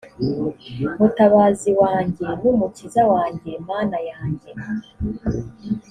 mutabazi wanjye n umukiza wanjye mana yanjye